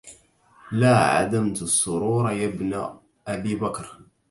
لا عدمت السرور يا بن أبي بكر